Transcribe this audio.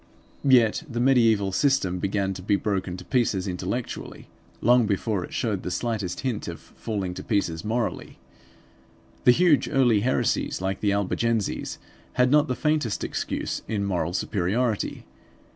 Yet the mediaeval system began to be broken to pieces intellectually, long before it showed the slightest hint of falling to pieces morally. The huge early heresies, like the Albigenses, had not the faintest excuse in moral superiority.